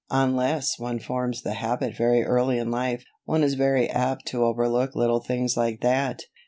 Unless one forms the habit very early in life, one is very apt to overlook little things like that."